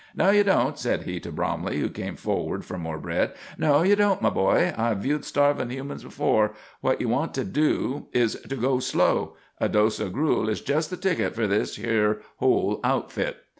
"No, ye don't," said he to Bromley, who came forward for more bread. "No, ye don't, my boy. I've viewed starvin' humans afore. What you want to do is to go slow. A dose o' gruel is jest the ticket for this yer whole outfit."